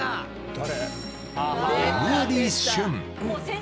誰？